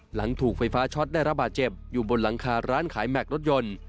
หลังถูกไฟฟ้าช็อตได้รับบาดเจ็บอยู่บนหลังคาร้านขายแม็กซ์รถยนต์